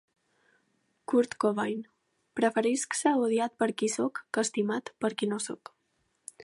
Kurt Cobain: preferisc ser odiat per qui soc que estimat per qui no soc.